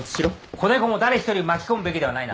子猫も誰一人巻き込むべきではないな。